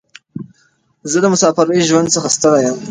زه د مساپرۍ ژوند څخه ستړی یم.